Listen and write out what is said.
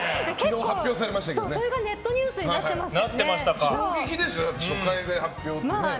それがネットニュースになってましたね。